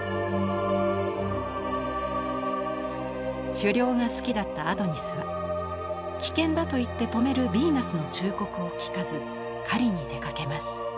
狩猟が好きだったアドニスは危険だと言って止めるヴィーナスの忠告を聞かず狩りに出かけます。